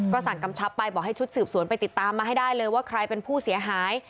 สั่งกำชับไปบอกให้ชุดสืบสวนไปติดตามมาให้ได้เลยว่าใครเป็นผู้เสียหาย